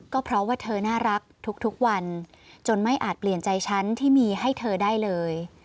ก็เพราะว่าเธอน่ารักทุกวันจนไม่อาจเปลี่ยนใจฉันที่มีให้เธอได้เลย